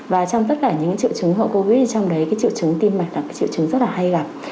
và trong tất cả những triệu chứng hậu covid trong đấy triệu chứng tim mạch là triệu chứng rất hay gặp